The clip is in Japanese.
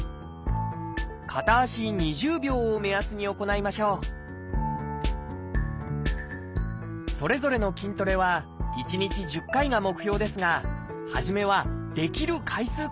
片足２０秒を目安に行いましょうそれぞれの筋トレは１日１０回が目標ですが初めはできる回数から始めましょう。